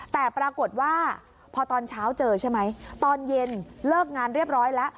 แต่ปรากฏว่าพอตอนเช้าเจอใช่ไหมตอนเย็นเลิกงานเรียบร้อยแล้ว